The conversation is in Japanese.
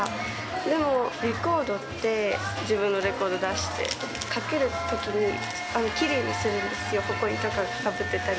でもレコードって、自分のレコード出して、かけるときに、きれいにするんですよ、ほこりとかかぶってたり。